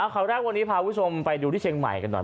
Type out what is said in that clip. ข่าวแรกวันนี้พาคุณผู้ชมไปดูที่เชียงใหม่กันหน่อย